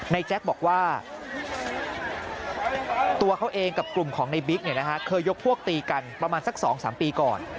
แจ๊คบอกว่าตัวเขาเองกับกลุ่มของในบิ๊กเคยยกพวกตีกันประมาณสัก๒๓ปีก่อน